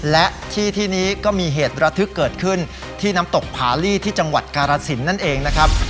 และที่ที่นี้ก็มีเหตุระทึกเกิดขึ้นที่น้ำตกผาลีที่จังหวัดกาลสินนั่นเองนะครับ